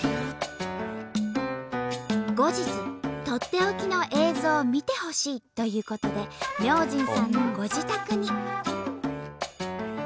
後日とっておきの映像を見てほしいということで明神さんのご自宅に。